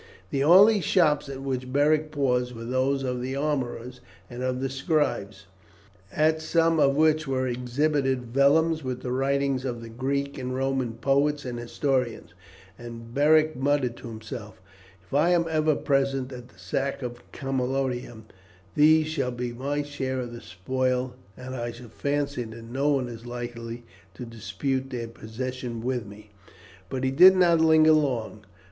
The only shops at which Beric paused were those of the armourers and of the scribes, at some of which were exhibited vellums with the writings of the Greek and Roman poets and historians; and Beric muttered to himself, "If I am ever present at the sack of Camalodunum these shall be my share of the spoil, and I fancy that no one is likely to dispute their possession with me." But he did not linger long.